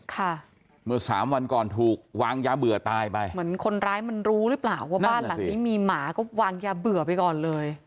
ค่ะเมื่อสามวันก่อนถูกวางยาเบื่อตายไปเหมือนคนร้ายมันรู้หรือเปล่าว่าบ้านหลังนี้มีหมาก็วางยาเบื่อไปก่อนเลย